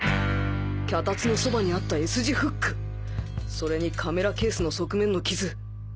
脚立のそばにあった Ｓ 字フックそれにカメラケースの側面のキズ